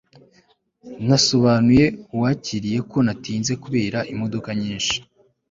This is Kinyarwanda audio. nasobanuriye uwakiriye ko natinze kubera imodoka nyinshi